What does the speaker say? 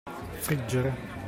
Friggere.